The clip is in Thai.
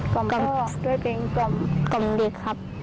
กล่อด้วยเพลงกล่อมเด็กครับ